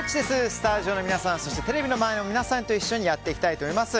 スタジオの皆さん、そしてテレビの前の皆さんと一緒にやっていきたいと思います。